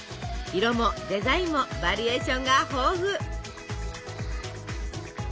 色もデザインもバリエーションが豊富！